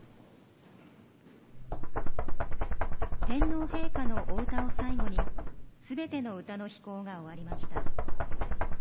天皇陛下のお歌を最後にすべての歌の披講が終わりました。